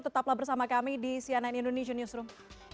tetaplah bersama kami di cnn indonesian newsroom